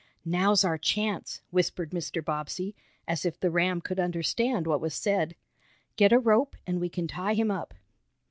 "Now's our chance!" whispered Mr. Bobbsey, as if the ram could understand what was said. "Get a rope and we can tie him up."